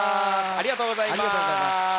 ありがとうございます。